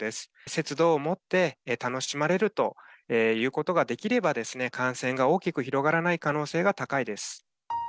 節度を持って、楽しまれるということができれば、感染が大きく広がらない可能性が高いです。